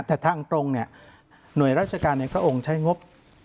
แต่ทางตรงเนี่ยหน่วยราชการในพระองค์ใช้งบ